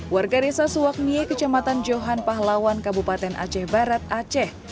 warga desa suwakmie kecamatan johan pahlawan kabupaten aceh barat aceh